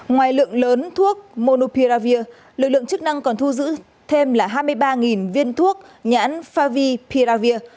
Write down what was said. ngoài lượng lớn thuốc monupiravir lực lượng chức năng còn thu giữ thêm là hai mươi ba viên thuốc nhãn favi piravir